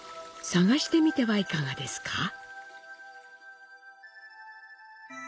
探してみてはいかがですか。